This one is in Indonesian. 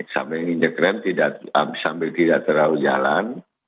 sambil injek rem sambil tidak terlalu jalan